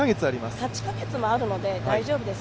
８か月もあるので大丈夫です